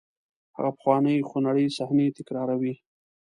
هغه پخوانۍ خونړۍ صحنې تکراروئ.